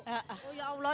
oh ya allah